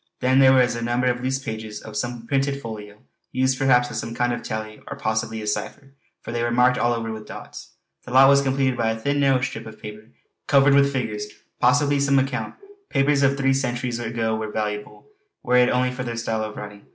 Then there were a number of loose pages of some printed folio, used perhaps as some kind of tally or possibly a cipher, for they were marked all over with dots. The lot was completed by a thin, narrow strip of paper covered with figures possibly some account. Papers of three centuries ago were valuable, were it only for their style of writing.